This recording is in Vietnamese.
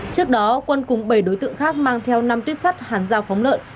trước đó quân cùng bảy đối tượng khác mang theo năm tuyết sắt hàn giao phóng lợn